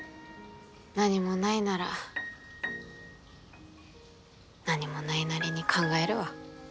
何もないなら何もないなりに考えるわ。